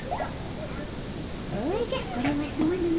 おじゃこれはすまぬの。